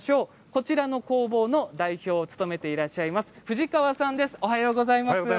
こちらの工房の代表を務めていらっしゃいます藤川さんですおはようございます。